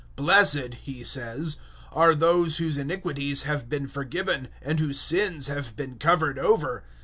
004:007 "Blessed," he says, "are those whose iniquities have been forgiven, and whose sins have been covered over.